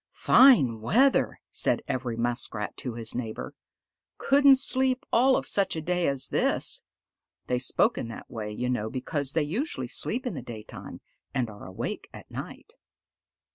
"Fine weather!" said every Muskrat to his neighbor. "Couldn't sleep all of such a day as this." They spoke in that way, you know, because they usually sleep in the daytime and are awake at night.